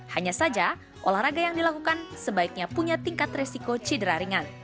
hanya saja olahraga yang dilakukan sebaiknya punya tingkat resiko cedera ringan